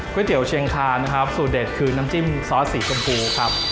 เตี๋ยวเชียงคานะครับสูตรเด็ดคือน้ำจิ้มซอสสีชมพูครับ